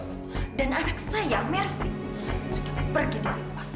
udah nggak apa apa bisa kok pak jago pak udah